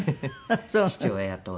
父親とは。